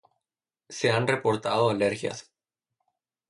Se han reportado alergias.